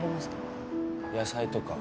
野菜とか？